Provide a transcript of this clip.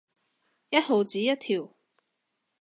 一毫子一條